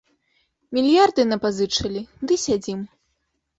Мільярды напазычалі ды сядзім.